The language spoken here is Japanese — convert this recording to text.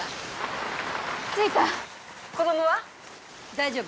大丈夫。